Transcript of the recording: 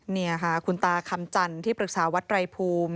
นี่ค่ะคุณตาคำจันทร์ที่ปรึกษาวัดไรภูมิ